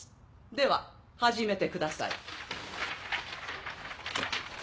では始めてください。